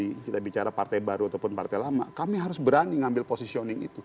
kalau kita bicara partai baru ataupun partai lama kami harus berani ngambil positioning itu